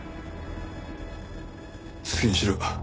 好きにしろ。